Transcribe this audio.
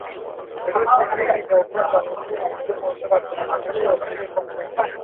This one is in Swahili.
Virusi vingi vya ugonjwa wa miguu na midomo hutoka kwenye nguruwe kuliko mbuzi